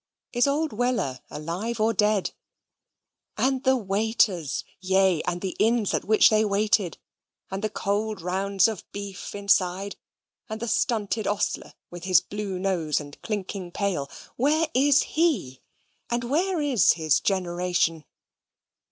Is old Weller alive or dead? and the waiters, yea, and the inns at which they waited, and the cold rounds of beef inside, and the stunted ostler, with his blue nose and clinking pail, where is he, and where is his generation?